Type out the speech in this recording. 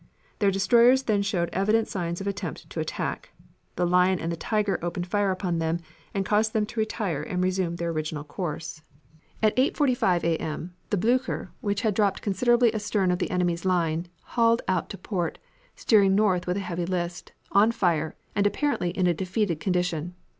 Their destroyers then showed evident signs of an attempt to attack. The Lion and the Tiger opened fire upon them, and caused them to retire and resume their original course. "At 10.48 A. M. the Blucher, which had dropped considerably astern of the enemy's line, hauled out to port, steering north with a heavy list, on fire, and apparently in a defeated condition.